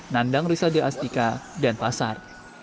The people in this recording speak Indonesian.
nandang risade astika dan pasar